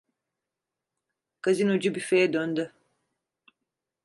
Gazinocu büfeye döndü.